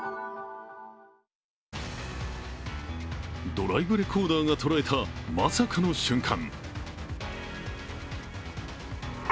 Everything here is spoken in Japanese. ドライブレコーダーが捉えた、まさかの瞬間。